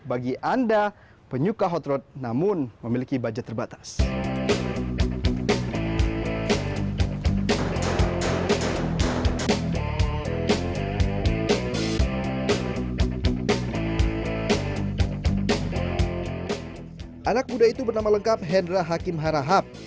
anak muda itu bernama lengkap hendra hakim harahap